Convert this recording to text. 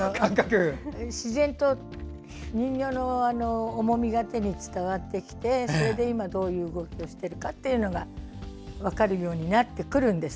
自然と人形の重みが手に伝わってきてそれで今どういう動きをしているかが分かるようになってくるんです。